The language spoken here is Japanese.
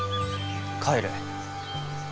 帰る。